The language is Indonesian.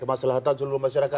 masalah tanpa seluruh masyarakat